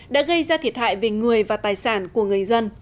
đã gây ra thiệt hại về người và tài sản của người dân